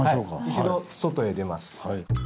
一度外へ出ます。